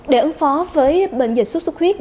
để ứng phó với bệnh dịch sốt sốt khuyết